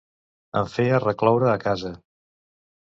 Em feia recloure a casa.